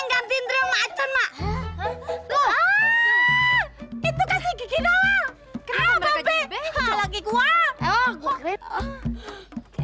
kamu pak amanin pak